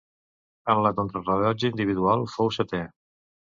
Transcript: En la contrarellotge individual fou setè.